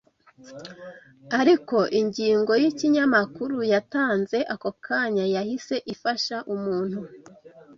Ariko ingingo yikinyamakuru yatanze ako kanya yahise ifasha umuntu